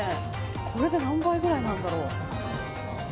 これで何杯くらいなんだろう。